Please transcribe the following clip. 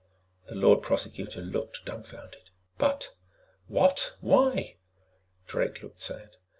The Lord Prosecutor looked dumbfounded. "But what why " Drake looked sad.